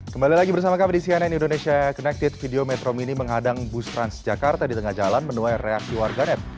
kembali lagi bersama kami di cnn indonesia connected video metro mini menghadang bus transjakarta di tengah jalan menuai reaksi warganet